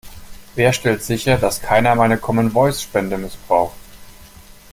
Wer stellt sicher, dass keiner meine Common Voice Spende missbraucht?